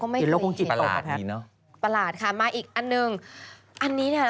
ใช่ฆ่าชีข้าเนนผิดขังปันใช้พันละวัน